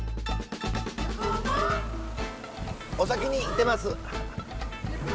お先に行ってます。